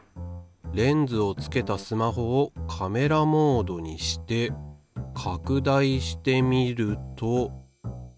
レンズをつけたスマホをカメラモードにして拡大してみると。